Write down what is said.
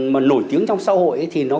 mà nổi tiếng trong xã hội thì